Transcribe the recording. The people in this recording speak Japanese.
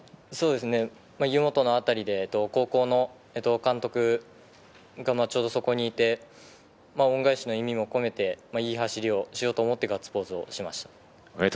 湯本の辺りで高校の監督がちょうどそこにいて、恩返しの意味も込めていい走りをしようと思ってガッツポーズしました。